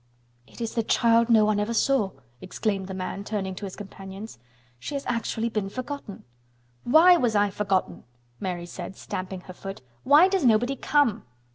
"It is the child no one ever saw!" exclaimed the man, turning to his companions. "She has actually been forgotten!" "Why was I forgotten?" Mary said, stamping her foot. "Why does nobody come?"